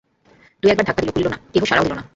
দুই-এক বার ধাক্কা দিল, খুলিল না–কেহ সাড়াও দিল না।